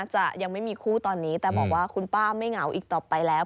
จะยังไม่มีคู่ตอนนี้แต่บอกว่าคุณป้าไม่เหงาอีกต่อไปแล้ว